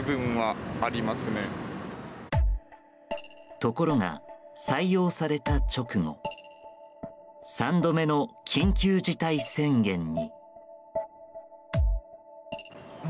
ところが採用された直後３度目の緊急事態宣言に。